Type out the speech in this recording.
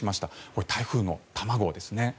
これ、台風の卵ですね。